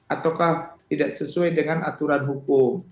ataukah tidak sesuai dengan aturan hukum